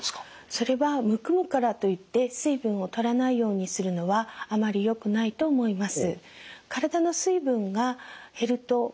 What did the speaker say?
それはむくむからといって水分をとらないようにするのはあまりよくないと思います。